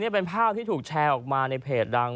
เป็นภาพที่ถูกแชร์ออกมาในเพจดัง